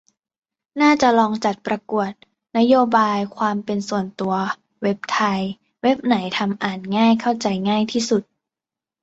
น่าจะลองจัดประกวด "นโยบายความเป็นส่วนตัว" เว็บไทย เว็บไหนทำอ่านง่ายเข้าใจง่ายที่สุด